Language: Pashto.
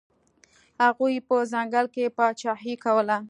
هغوی په ځنګل کې پاچاهي کوله.